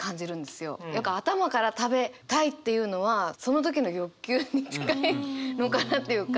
よく頭から食べたいっていうのはその時の欲求に近いのかなっていうか。